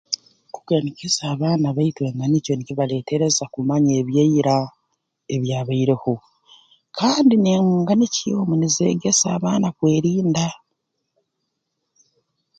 Kuganikiza abaana baitu enganikyo nikibaleetereza kumanya ebyaira ebyabaireho kandi n'enganikyo omu nizeegesa abaana kwerinda